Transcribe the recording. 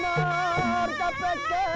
membuat kita merasa berharga